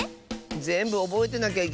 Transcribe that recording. ぜんぶおぼえてなきゃいけないんだよね。